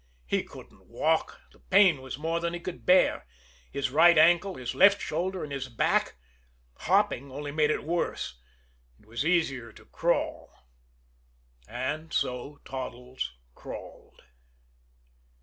He couldn't walk, the pain was more than he could bear his right ankle, his left shoulder, and his back hopping only made it worse it was easier to crawl. And so Toddles crawled.